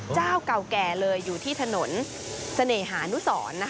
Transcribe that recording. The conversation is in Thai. เจ้าเก่าแก่เลยอยู่ที่ถนนเสน่หานุสร